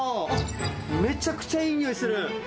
めちゃくちゃいい匂いする！